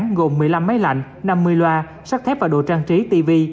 gồm một mươi năm máy lạnh năm mươi loa sắt thép và đồ trang trí tv